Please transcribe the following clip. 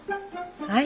はい。